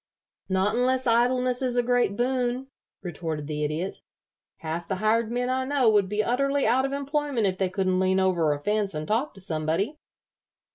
"Not unless idleness is a great boon," retorted the Idiot. "Half the hired men I know would be utterly out of employment if they couldn't lean over a fence and talk to somebody.